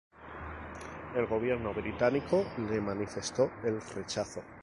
El gobierno británico le manifestó el rechazo.